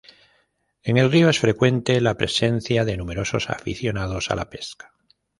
En el río es frecuente la presencia de numerosos aficionados a la pesca.